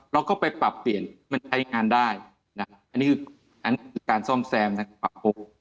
เราก็ไปปรับเปลี่ยนมันใช้งานได้นะอันนี้คืออันการซ่อมแซมนะปรับปรุง